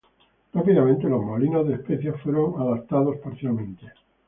Rápidamente los molinos de especias fueron adaptadas parcialmente.